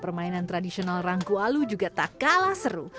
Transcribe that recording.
permainan tradisional rangkualu juga tak kalah seru